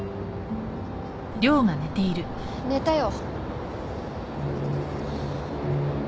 寝たよ。